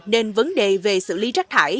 nên vấn đề về xử lý rác thải